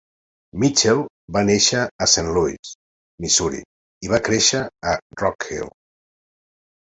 Mitchell va néixer a Saint Louis, Missouri i va créixer a Rock Hill.